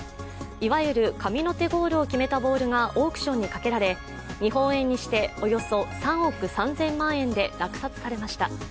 いわゆる神の手ゴールを決めたボールがオークションにかけられ、日本円にしておよそ３億３０００万円で落札されました。